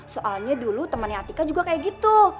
soalnya dulu temannya atika juga kayak gitu